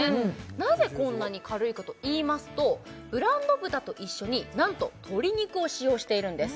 なぜこんなに軽いかといいますとブランド豚と一緒になんと鶏肉を使用しているんです